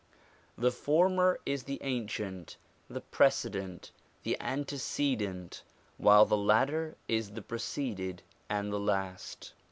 The former is the ancient, the precedent, the antecedent, while the latter is the preceded and the last.